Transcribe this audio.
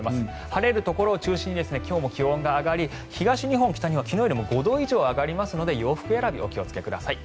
晴れるところを中心に今日も気温が上がり東日本、北日本は昨日よりも５度以上上がりますので洋服選び、お気をつけください。